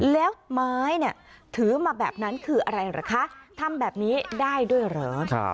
แล้วไม้เนี่ยถือมาแบบนั้นคืออะไรเหรอคะทำแบบนี้ได้ด้วยเหรอ